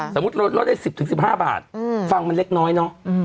สมมุติเราลดได้๑๐๑๕บาทฟังมันเล็กน้อยเนอะ